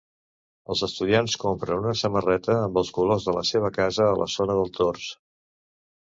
Els estudiants compren una samarreta amb els colors de la seva casa a la zona del tors.